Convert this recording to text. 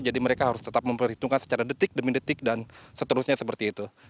jadi mereka harus tetap memperhitungkan secara detik demi detik dan seterusnya seperti itu